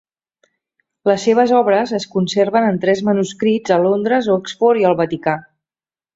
Les seves obres es conserven en tres manuscrits a Londres, Oxford i el Vaticà.